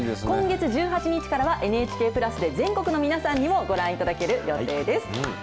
今月１８日からは、ＮＨＫプラスで、全国の皆さんにもご覧いただける予定です。